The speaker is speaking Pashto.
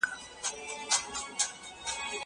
زه پرون کتابونه لوستل کوم!